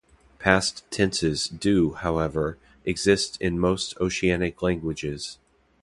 Past tenses, do, however, exist in most Oceanic languages.